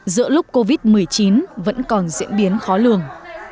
giữa lúc covid một mươi chín vẫn còn diễn biến khó lường